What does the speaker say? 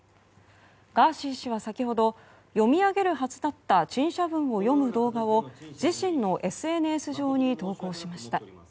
ガーシー氏は先ほど読み上げるはずだった陳謝文を読む動画を自身のＳＮＳ上に投稿しました。